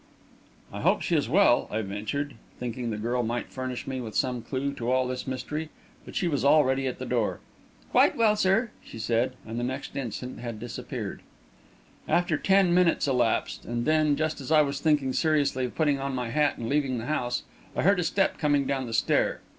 "I hope she is well," I ventured, thinking the girl might furnish me with some clue to all this mystery, but she was already at the door. "Quite well, sir," she said, and the next instant had disappeared. Another ten minutes elapsed, and then, just as I was thinking seriously of putting on my hat and leaving the house, I heard a step coming down the stair.